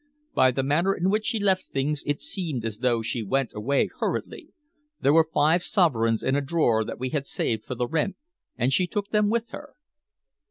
"By the manner in which she left things, it seemed as though she went away hurriedly. There were five sovereigns in a drawer that we had saved for the rent, and she took them with her."